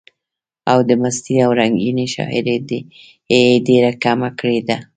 او د مستۍ او رنګينۍ شاعري ئې ډېره کمه کړي ده،